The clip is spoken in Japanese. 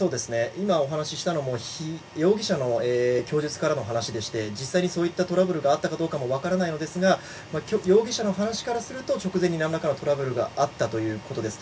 今お話ししたのも容疑者の供述からの話でして実際にそういったトラブルがあったのかもわからないのですが容疑者の話からすると直前になんらかのトラブルがあったということです。